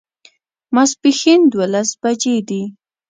ماسپښین دوولس بجې دي